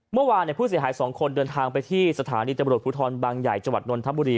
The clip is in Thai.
เมื่อวานผู้เสียหาย๒คนเดินทางไปที่สถานีตำรวจภูทรบางใหญ่จังหวัดนนทบุรี